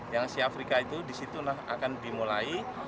yang asia afrika itu di situ akan dimulai